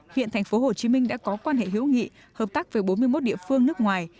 hiện thành phố hồ chí minh đã có quan hệ hữu nghị hợp tác với bốn mươi một địa phương nước ngoài